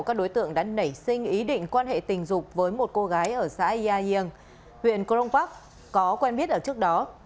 các đối tượng đã nảy sinh ý định quan hệ tình dục với một cô gái ở xã ia hieu huyện kronpark có quen biết ở trước đó